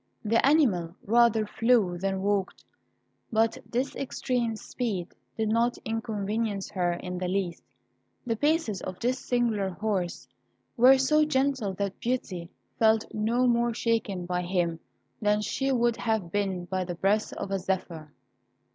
The animal rather flew than walked. But this extreme speed did not inconvenience her in the least; the paces of this singular horse were so gentle that Beauty felt no more shaken by him than she would have been by the breath of a zephyr.